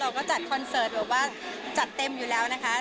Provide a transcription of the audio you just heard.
ก็จัดคอนเสิร์ตแบบว่าจัดเต็มอยู่แล้วนะคะ